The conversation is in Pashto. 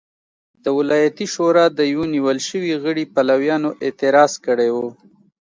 د ولایتي شورا د یوه نیول شوي غړي پلویانو اعتراض کړی و.